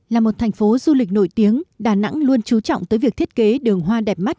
là một thành phố du lịch nổi tiếng đà nẵng luôn trú trọng tới việc thiết kế đường hoa đẹp mắt